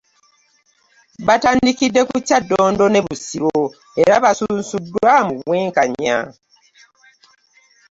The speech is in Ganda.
Batandikidde ku Kyaddondo ne Busiro era basunsuddwa mu bwenkanya.